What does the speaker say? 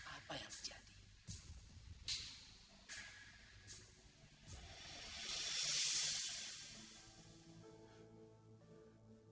apa yang terjadi